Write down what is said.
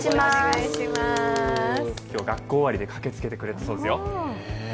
今日、学校終わりで駆けつけてくれたようですよ。